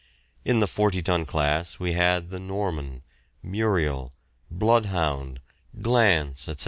In the forty ton class we had the "Norman," "Muriel," "Bloodhound," "Glance," etc.